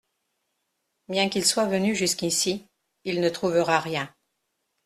Bien qu’il soit venu jusqu’ici, il ne trouvera rien.